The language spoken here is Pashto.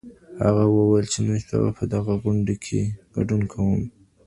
هغه وویل چي نن شپه په دغه غونډې کي ګډون کوم.